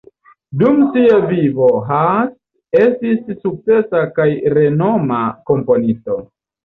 Dum sia vivo Haas estis sukcesa kaj renoma komponisto.